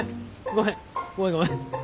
ごめんごめん。